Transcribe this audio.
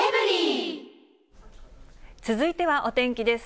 続いてはお天気です。